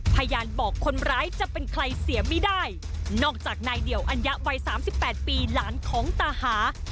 พยานบอกคนร้ายจะเป็นใครเสียไม่ได้นอกจากนายเดี่ยวอัญญะวัยสามสิบแปดปีหลานของตาหา